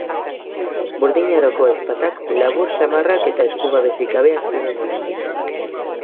Burdin Aroko ezpatak labur samarrak eta esku-babesik gabeak ziren oraindik.